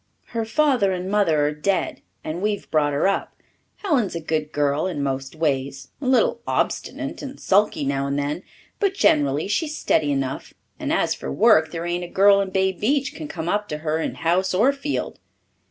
"Her father and mother are dead and we've brought her up. Helen's a good girl in most ways a little obstinate and sulky now and then but generally she's steady enough, and as for work, there ain't a girl in Bay Beach can come up to her in house or field.